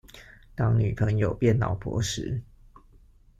當女朋友變老婆時